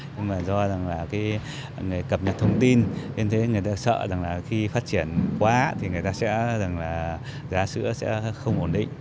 nhưng mà do rằng là cái nghề cập nhật thông tin nên thế người ta sợ rằng là khi phát triển quá thì người ta sẽ rằng là giá sữa sẽ không ổn định